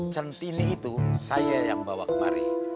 centini itu saya yang bawa kemari